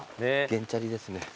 原チャリですね。